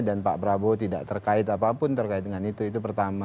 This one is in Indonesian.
dan pak prabowo tidak terkait apapun terkait dengan itu itu pertama